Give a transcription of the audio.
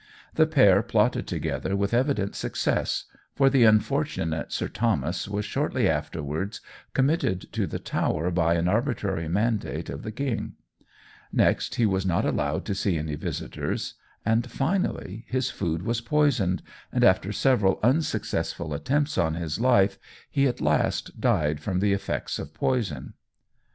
The pair plotted together with evident success, for the unfortunate Sir Thomas was shortly afterwards committed to the Tower by an arbitrary mandate of the King; next, he was not allowed to see any visitors; and, finally, his food was poisoned, and, after several unsuccessful attempts on his life, he at last died from the effects of poison.